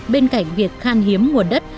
bên cạnh việc khan hiếm nguồn đất